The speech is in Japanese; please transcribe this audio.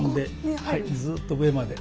ずっと上まで。